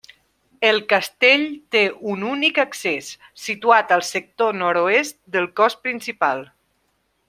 El castell té un únic accés, situat al sector nord-oest del cos principal.